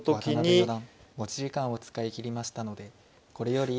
渡辺四段持ち時間を使い切りましたのでこれより一手。